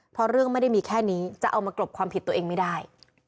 เพราะเรื่องไม่ได้มีแค่นี้จะเอามากรบความผิดตัวเองไม่ได้